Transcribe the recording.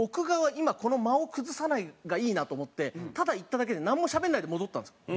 今この間を崩さないのがいいなと思ってただ行っただけでなんもしゃべんないで戻ったんですよ。